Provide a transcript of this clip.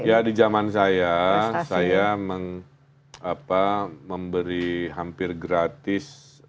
ya di jaman saya saya memberi hampir gratis uang sekolah lah ya